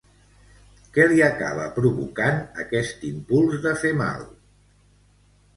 Què li acaba provocant aquest impuls de fer mal?